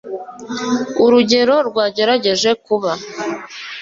urugero rwagerageje kuba